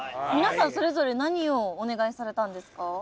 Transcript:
皆さんそれぞれ何をお願いされたんですか？